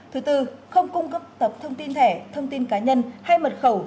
thứ tư không cung cấp tập thông tin thẻ thông tin cá nhân hay mật khẩu